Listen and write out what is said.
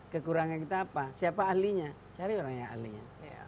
kekurangan kita apa siapa ahlinya cari orang yang ahlinya